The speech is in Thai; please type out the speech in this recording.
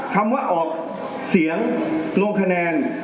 คำว่าออกเสียงลงคะแนน